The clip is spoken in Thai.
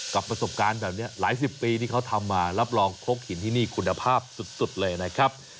ประสบการณ์แบบนี้หลายสิบปีที่เขาทำมารับรองครกหินที่นี่คุณภาพสุดเลยนะครับ